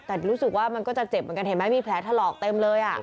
แต่รู้สึกว่ามันก็จะเจ็บเหมือนกันเห็นไหมมีแผลถลอกเต็มเลย